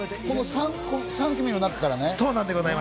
この３組の中からね。